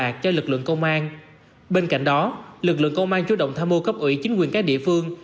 tham mô cấp ủy chính quyền các địa phương